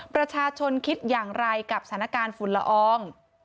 ประชาชนคิดอย่างไรกับสถานการณ์ฝุ่นละออง